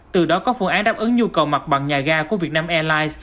từ đó có phương án đáp ứng nhu cầu mặt bằng nhà ga của việt nam airlines